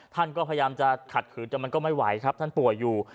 ท่านก็พยายามจะขัดขืนแต่มันก็ไม่ไหวครับท่านป่วยอยู่